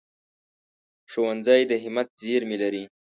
ښوونځی د همت زېرمې لري